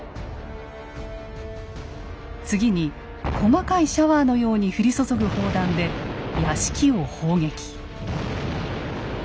次に細かいシャワーのように降り注ぐ砲弾で屋敷を砲撃。